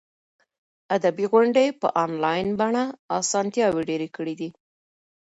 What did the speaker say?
ادبي غونډې په انلاین بڼه اسانتیاوې ډېرې کړي دي.